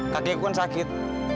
kaki aku kan sakit